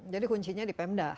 jadi kuncinya di pemda